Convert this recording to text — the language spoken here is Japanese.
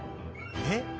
「えっ？」